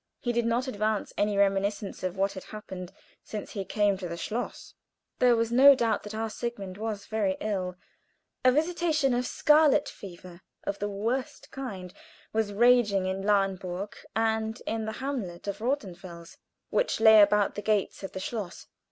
He did not advance any reminiscence of what had happened since he came to the schloss. There was no doubt that our Sigmund was very ill. A visitation of scarlet fever, of the worst kind, was raging in Lahnburg and in the hamlet of Rothenfels, which lay about the gates of the schloss.